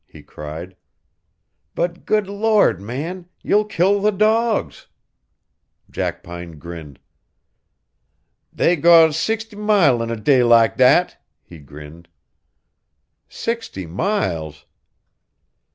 he cried. "But, good Lord, man, you'll kill the dogs!" Jackpine grinned. "They go sixt' mile in day lak dat," He grinned. "Sixty miles!"